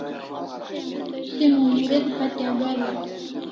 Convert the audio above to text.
Se Mumuret hatya ga'l'a